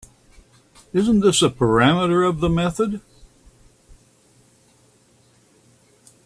Isn’t this a parameter of the method?